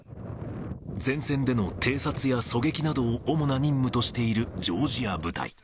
前線での偵察や狙撃などを主な任務としているジョージア部隊。